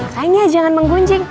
kayaknya jangan menggunjing